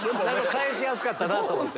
返しやすかったなと思って。